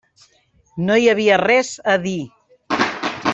No hi havia res a dir.